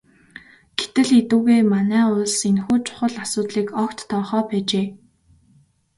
Гэтэл эдүгээ манай улс энэхүү чухал асуудлыг огт тоохоо байжээ.